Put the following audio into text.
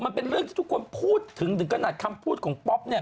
มันเป็นเรื่องที่ทุกคนพูดถึงถึงขนาดคำพูดของป๊อปเนี่ย